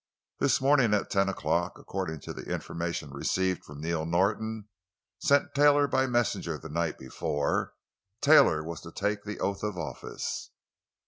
This morning at ten o'clock, according to information received from Neil Norton—sent to Taylor by messenger the night before—Taylor was to take the oath of office.